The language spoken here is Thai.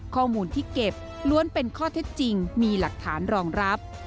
ข้อมูลที่เก็บล้วนเป็นข้อเท็จจริงมีหลักฐานรองรับ